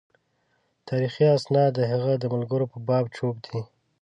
تاریخي اسناد د هغه د ملګرو په باب چوپ دي.